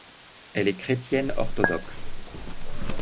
Elle est chrétienne orthodoxe.